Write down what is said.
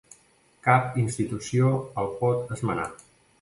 Cap institució el pot esmenar.